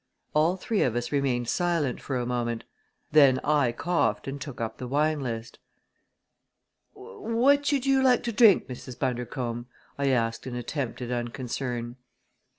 All three of us remained silent for a moment. Then I coughed and took up the wine list. "What should you like to drink, Mrs. Bundercombe?" I asked in attempted unconcern. Mrs.